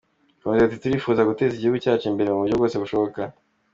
Akomeza ati : “Turifuza guteza igihugu cyacu imbere mu buryo bwose bushoboka.